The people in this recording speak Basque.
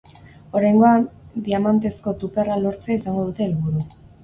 Oraingoan, diamantezko tuperra lortzea izango dute helburu.